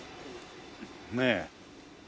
ねえ。